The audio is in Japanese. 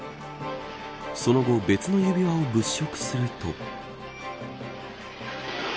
その後、別の指輪を物色すると。